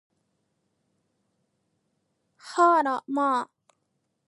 はあら、ま